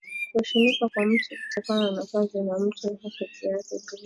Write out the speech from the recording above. Kueshimika kwa mutu kunatokana na kazi na mutu ye peke pia